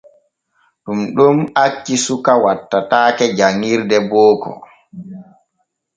Ɗun ɗon acci suka wattataake janƞirde booko.